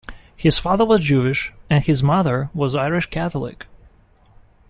His father was Jewish and his mother was Irish Catholic.